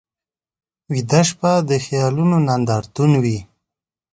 ویده شپه د خیالونو نندارتون وي